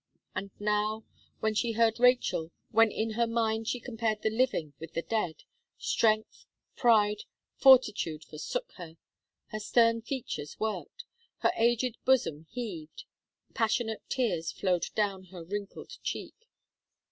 And now, when she heard Rachel, when in her mind she compared the living with the dead, strength, pride, fortitude forsook her, her stern features worked, her aged bosom heaved, passionate tears flowed down her wrinkled cheek.